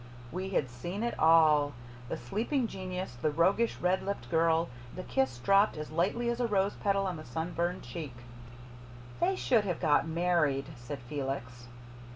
We had SEEN it all the sleeping genius the roguish, red lipped girl the kiss dropped as lightly as a rose petal on the sunburned cheek. "They should have got married," said Felix.